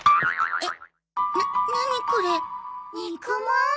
えっ！